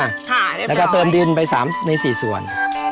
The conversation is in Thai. ค่ะเรียบร้อยแล้วก็เพิ่มดินไป๓ใน๔ส่วน